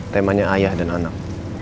temanya ayah dan anak